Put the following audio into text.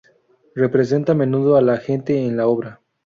Representa a menudo a la gente en la obra.